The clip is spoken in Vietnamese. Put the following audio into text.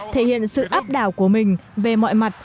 thể hiện sự áp đảo của mình về mọi mặt